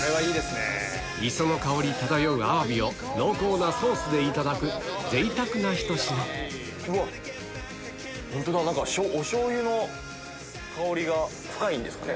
磯の香り漂うアワビを濃厚なソースでいただく贅沢なひと品お醤油の香りが深いんですかね